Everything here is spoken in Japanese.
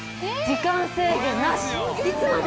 「時間制限なし」。